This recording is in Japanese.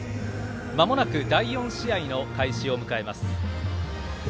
まもなく第４試合の開始を迎えます。